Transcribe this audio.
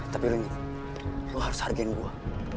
tapi lo ini lo harus hargain gue